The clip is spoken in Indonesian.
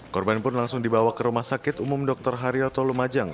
korban pun langsung dibawa ke rumah sakit umum dr haryoto lumajang